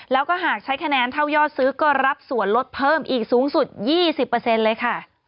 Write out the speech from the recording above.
แล้วก็หากใช้คะแนนเท่ายอดซื้อก็รับส่วนลดเพิ่มอีกสูงสุด๒๐เลยค่ะ